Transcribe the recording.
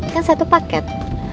kan satu paket